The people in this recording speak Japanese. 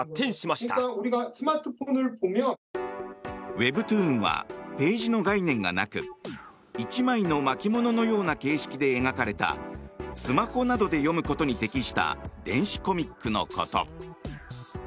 ウェブトゥーンはページの概念がなく１枚の巻物のような形式で描かれたスマホなどで読むことに適した電子コミックのこと。